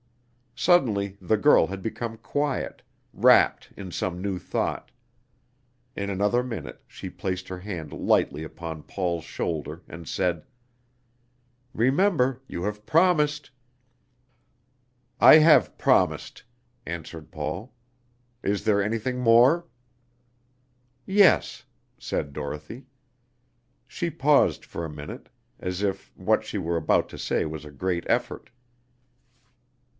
Suddenly the girl had become quiet, rapt in some new thought. In another minute she placed her hand lightly upon Paul's shoulder, and said: "Remember, you have promised!" "I have promised," answered Paul. "Is there anything more?" "Yes," said Dorothy. She paused for a minute, as if what she were about to say was a great effort.